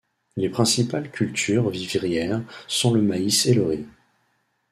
Les principales cultures vivrières sont le maïs et le riz.